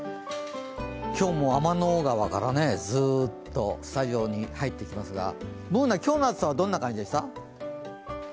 今日も天の川がずっとスタジオに入ってきますがＢｏｏｎａ、今日の暑さはどんな感じでした？